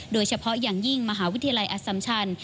โดยเฉพาะอย่างยิ่งมหาวิทยาลัยอสัมชัน